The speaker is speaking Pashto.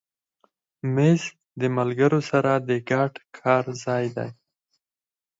مېز د ملګرو سره د ګډ کار ځای دی.